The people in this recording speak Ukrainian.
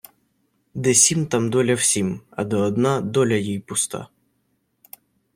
Де сім, там доля всім, а де одна, доля їй пуста.